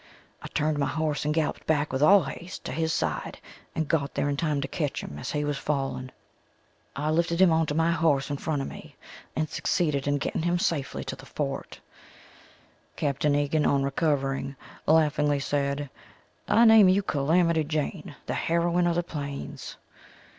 I turned my horse and galloped back with all haste to his side and got there in time to catch him as he was falling. I lifted him onto my horse in front of me and succeeded in getting him safely to the Fort. Capt. Egan on recovering, laughingly said: "I name you Calamity Jane, the heroine of the plains."